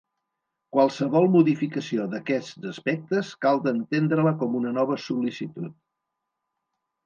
Qualsevol modificació d'aquests aspectes cal entendre-la com una nova sol·licitud.